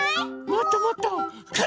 もっともっと。